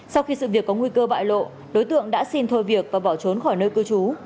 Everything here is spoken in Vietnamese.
sau khi sự việc có nguy cơ bại lộ đối tượng đã xin thôi việc và bỏ trốn khỏi nơi cư trú